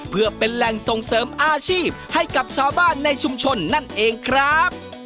เพื่อเป็นแหล่งส่งเสริมอาชีพให้กับชาวบ้านในชุมชนนั่นเองครับ